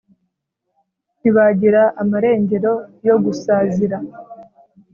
ntibagira amarengero yo gusazira